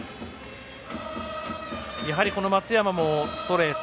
やはり、この松山もストレート